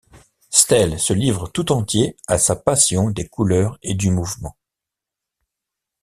Staël se livre tout entier à sa passion des couleurs et du mouvement.